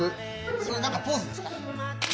それ何かポーズですか？